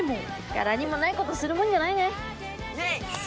柄にもないことするもんじゃないね。